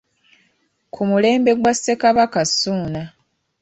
Ku mulembe gwa Ssekabaka Ssuuna.